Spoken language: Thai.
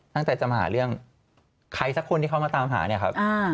ตั้งแต่จะมาหาเรื่องใครสักคนที่เขามาตามหาเนี่ยครับ